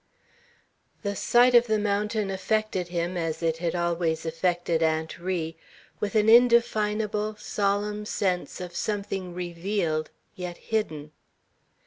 The sight of the mountain affected him, as it had always affected Aunt Ri, with an indefinable, solemn sense of something revealed, yet hidden.